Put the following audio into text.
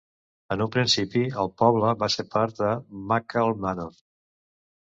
En un principi, el poble va ser part de McCall Manor.